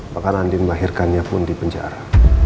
bahkan andin melahirkannya pun di penjara